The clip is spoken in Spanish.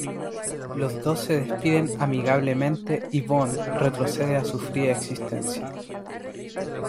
Los dos se despiden amigablemente y Bond retrocede a su fría existencia.